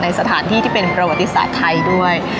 สถานที่ที่เป็นประวัติศาสตร์ไทยด้วย